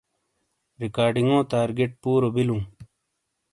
ریکارڈنگو تارگٹ پُورو بیلُوں۔